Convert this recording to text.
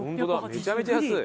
めちゃめちゃ安い。